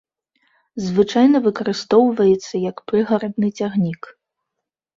Звычайна выкарыстоўваецца як прыгарадны цягнік.